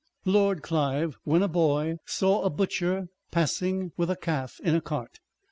Lord Clive, when a boy, saw a butcher passing with a calf in a cart.